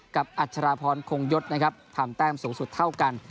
อัชราพรคงยศนะครับทำแต้มสูงสุดเท่ากัน